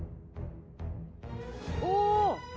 お。